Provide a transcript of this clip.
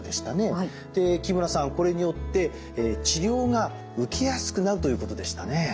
で木村さんこれによって治療が受けやすくなるということでしたね。